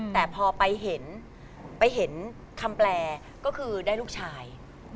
แต่พอไปเห็นไปเห็นคำแปลก็คือได้ลูกชาย